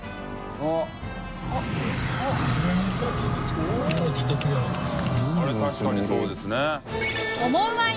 あれ確かにそうですね。